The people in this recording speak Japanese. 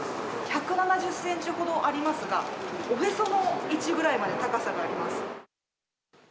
１７０ｃｍほどありますがおへその位置ぐらいまで高さがあります。